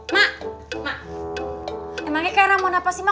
mak emangnya kayak ramon apa sih mak